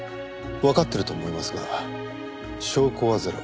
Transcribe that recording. わかってると思いますが証拠はゼロ。